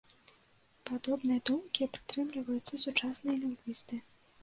Падобнай думкі прытрымліваюцца і сучасныя лінгвісты.